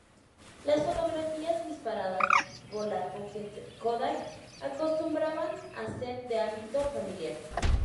Las fotografías disparadas por la "Pocket Kodak" acostumbraban a ser de ámbito familiar.